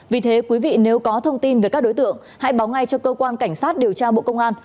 vì thế quý vị nếu có thông tin về các đối tượng hãy báo ngay cho cơ quan cảnh sát điều tra bộ công an